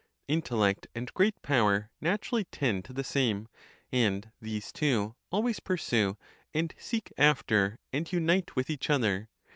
— Intellect and great power naturally tend to the same; and these two always pursue, and seek after, and unite with each other.